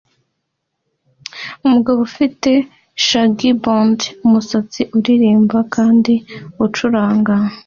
Umugabo ufite shaggy blond-umusatsi uririmba kandi acuranga gitari